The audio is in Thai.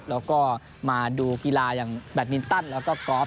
แล้วก็มาดูกีฬาแบลต์มีเติลแล้วก็กอร์ฟ